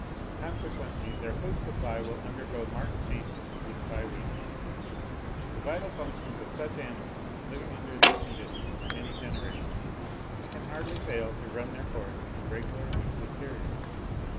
Consequently, their food supply will undergo marked changes week by week. The vital functions of such animals, living under these conditions for many generations, can hardly fail to run their course in regular weekly periods.